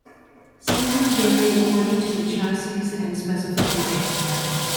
Seating varied according to the chassis and specification.